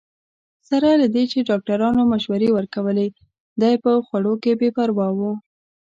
سره له دې چې ډاکټرانو مشورې ورکولې، دی په خوړو کې بې پروا وو.